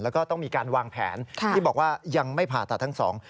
แล้วก็ต้องมีการวางแผนที่บอกว่ายังไม่ผ่าตัดทั้งสอง